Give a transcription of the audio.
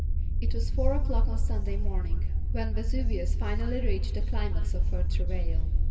It was four o'clock on Sunday morning when Vesuvius finally reached the climax of her travail.